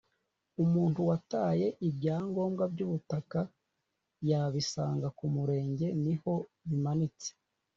umuntu wataye ibyagombwa byu butaka yabisanga ku murenge niho bimanitse